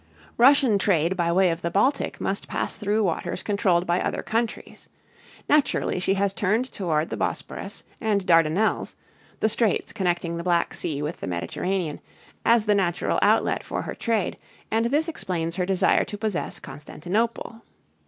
Russian trade by way of the Baltic must pass through waters controlled by other countries. Naturally she has turned toward the Bosporus and Dardanelles (dar da nelz´) the straits connecting the Black Sea with the Mediterranean as the natural outlet for her trade, and this explains her desire to possess Constantinople.